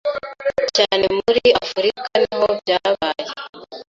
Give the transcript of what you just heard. cyane muri afurika niho byabaye